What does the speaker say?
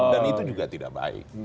dan itu juga tidak baik